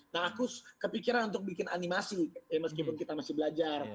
nah aku kepikiran untuk bikin animasi meskipun kita masih belajar